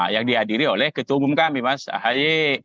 yang dihadiri oleh ketua umum kami mas ahaye